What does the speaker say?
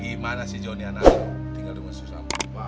gimana sih jonny anak lo tinggal rumah susah apa